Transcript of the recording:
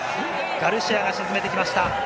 ガルシアが沈めてきました。